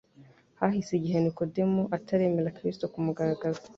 Hahise igihe Nikodemo ataremera Kristo ku mugaragaro,